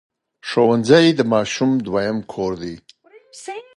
ښوونځی د ماشوم دویم کور دی.